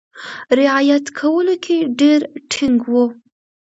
رعایت کولو کې ډېر ټینګ وو.